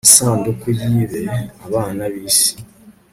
isanduku yibe abana b'isi